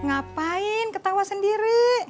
ngapain ketawa sendiri